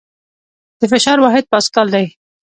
د فشار واحد پاسکال دی.